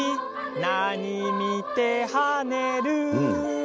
「なにみてはねる」